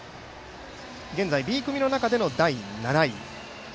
現在、Ｂ組の中での第７位。